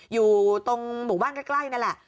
อยู่ตรงหมู่บ้านใกล้นั่นแหละ